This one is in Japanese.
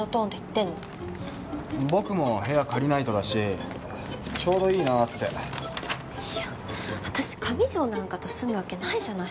僕も部屋借りないとだしちょうどいいなぁっていや私上条なんかと住むわけないじゃない